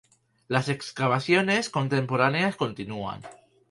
Las excavaciones contemporáneas continúan.